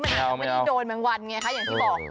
มันอาจจะไม่ได้โดนบางวันไงคะอย่างที่บอก